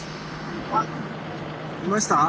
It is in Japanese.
あいました？